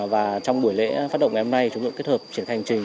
và trong buổi lễ phát động ngày hôm nay chúng tôi kết hợp triển khai hành trình